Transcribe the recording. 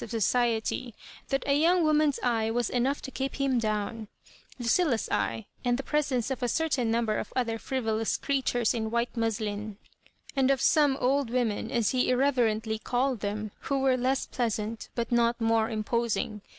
of society, that a young woman's eye was enough to keep him down — Lucilla's eye, and the presence of a certain num ber of other frivolous creatures in white muslin, and of some old women, as he irreverently called them, who were less pleasant, but not more im posing.